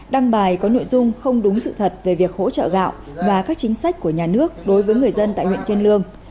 đăng bài có nội dung không đúng sự thật về việc hỗ trợ gạo và các chính sách của nhà nước đối với người dân tại huyện kiên lương